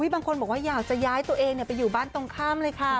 บางคนบอกว่าอยากจะย้ายตัวเองไปอยู่บ้านตรงข้ามเลยค่ะ